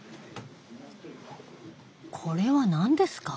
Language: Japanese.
これは何ですか？